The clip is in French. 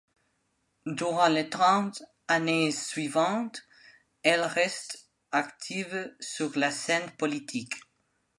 Durant les trente années suivante, elle reste active sur la scène politique.